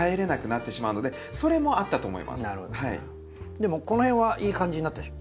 でもこの辺はいい感じになったでしょ？